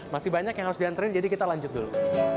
masih banyak yang harus diantarin jadi kita lanjut dulu